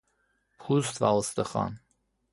پوست و استخوان